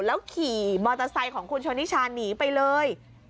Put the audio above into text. แล้วขี่มอเตอร์ไซค์ของคุณชนิชาหนีไปเลย